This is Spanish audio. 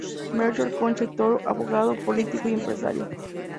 Melchor Concha y Toro: Abogado, político y empresario.